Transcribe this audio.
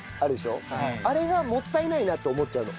あれがもったいないなって思っちゃうの。